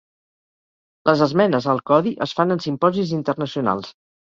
Les esmenes al codi es fan en simposis internacionals.